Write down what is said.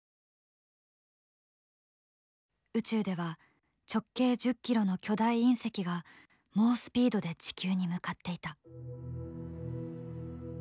宇宙では直径１０ｋｍの巨大隕石が猛スピードで地球に向かっていた。